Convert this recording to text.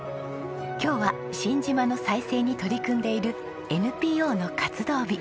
今日は新島の再生に取り組んでいるＮＰＯの活動日。